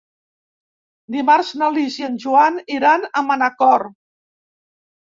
Dimarts na Lis i en Joan iran a Manacor.